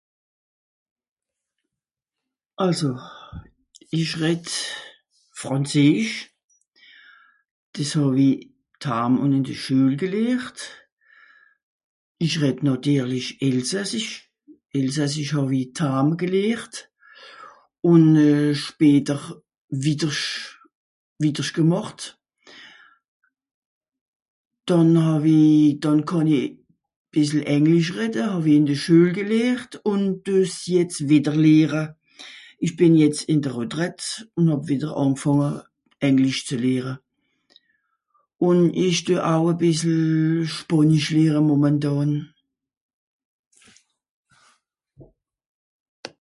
Àlso... ìch redd... frànzeesch, dìs hàw-i d'haam ùn ìn de Schuel gelehrt. Ìch redd nàtirlisch elsassisch. Elsasassisch hàw-i dhaam gelehrt. Ùn euh... später wittersch... widdersch gemàcht. Dànn hàw-i... dànn kànn i bìssel Englisch redde hàw-i ìn de Schüel gelhert ùn due's jetz wìdder lehre. Ìch bìn jetz ìn de Retraite ùn hàb wìdder àngfànge, Englisch ze lehre. Ùn due au e bìssel Spànisch lehre momentàn.